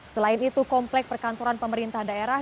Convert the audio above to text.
selain itu komplek perkantoran pemerintah daerah